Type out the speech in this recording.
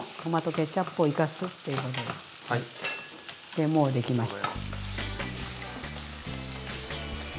でもうできました。